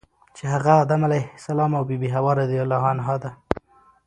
چی هغه ادم علیه السلام او بی بی حوا رضی الله عنها ده .